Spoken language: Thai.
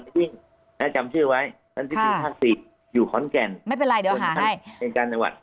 ติดชีพภาคศรีอยู่ไม่เป็นไรเดี๋ยวหาให้เป็นการรินทรัพย์